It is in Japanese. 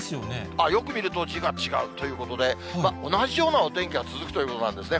あっ、よく見ると、字が違うということで、同じようなお天気が続くということなんですね。